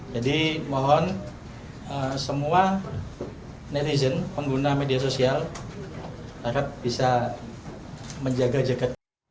jadi mohon semua netizen pengguna media sosial harap bisa menjaga jaga